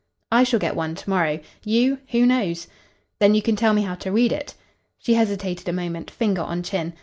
"I shall get one to morrow. You who knows?" "Then you can tell me how to read it?" She hesitated a moment, finger on chin.